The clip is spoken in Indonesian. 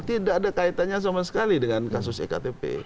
tidak ada kaitannya sama sekali dengan kasus ektp